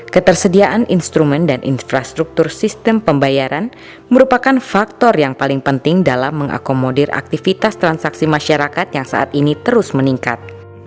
ketersediaan instrumen dan infrastruktur sistem pembayaran merupakan faktor yang paling penting dalam mengakomodir aktivitas transaksi masyarakat yang saat ini terus meningkat